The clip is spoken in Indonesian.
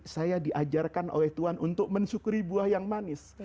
saya diajarkan oleh tuhan untuk mensyukuri buah yang manis